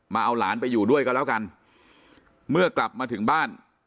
เอาหลานไปอยู่ด้วยกันแล้วกันเมื่อกลับมาถึงบ้าน